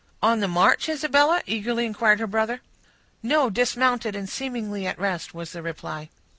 "On the march, Isabella?" eagerly inquired her brother. "No, dismounted, and seemingly at rest," was the reply.